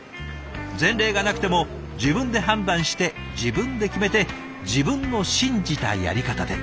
前例がなくても自分で判断して自分で決めて自分の信じたやり方で。